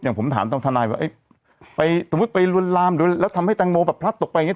อย่างผมถามต้องทานายว่าเอ๊ะไปสมมติไปลุนรามหรือแล้วทำให้ตังโมแบบพลัดตกไปอย่างงี้